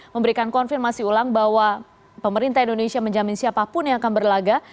memberikan konfirmasi ulang bahwa pemerintah indonesia menjamin siapapun yang akan berlaga